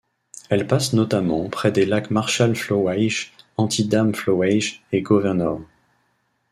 Elle passe notamment près des lacs Marshall Flowage, Anti Dam Flowage et Governor.